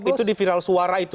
itu di viral suara itu